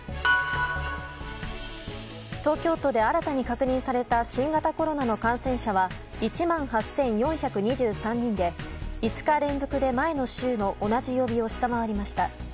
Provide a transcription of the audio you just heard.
東京都で新たに確認された新型コロナの感染者は１万８４２３人で５日連続で前の週の同じ曜日を下回りました。